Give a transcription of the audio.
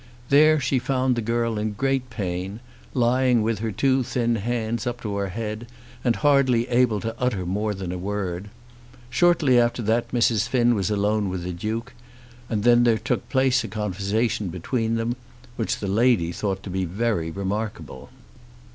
There she found the girl in great pain, lying with her two thin hands up to her head, and hardly able to utter more than a word. Shortly after that Mrs. Finn was alone with the Duke, and then there took place a conversation between them which the lady thought to be very remarkable.